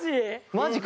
マジか。